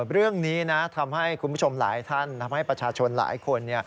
เรื่องนี้นะทำให้คุณผู้ชมหลายท่านทำให้ประชาชนหลายคน